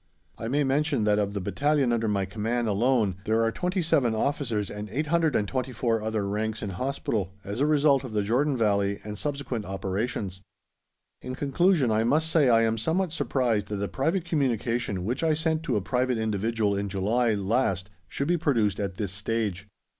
I may mention that of the Battalion under my command alone there are 27 Officers and 824 other ranks in hospital, as a result of the Jordan Valley and subsequent operations. In conclusion I must say I am somewhat surprised that a private communication which I sent to a private individual in July last should be produced at this stage.